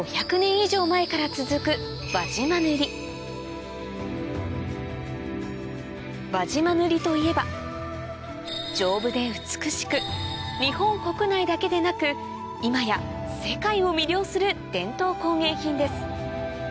以上前から続く輪島塗といえば丈夫で美しく日本国内だけでなく今や世界を魅了する伝統工芸品です